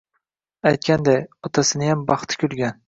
Aytganday, otasiniyam baxti kulgan…